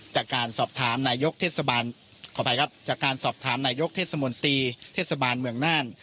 จากการสอบถามนายกเทศสมนตรีเทศบาลเมืองน่าน